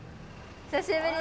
久しぶり！